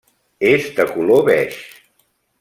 És de color beix.